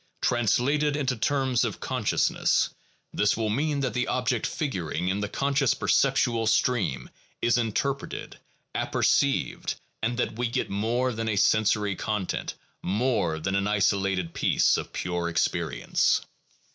Translated into terms of consciousness, this will mean that the object figuring in the conscious perceptual stream is interpreted, apperceived, and that we get more than a sensory content, more than an isolated piece of pure experience.